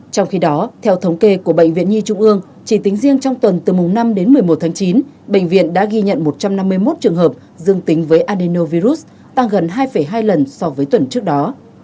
trong khi đó theo thống kê của bệnh viện nhi trung ương chỉ tính riêng trong tuần từ mùng năm đến một mươi một tháng chín bệnh viện đã ghi nhận một trăm năm mươi một trường hợp dương tính với annovirus tăng gần hai hai lần so với tuần trước đó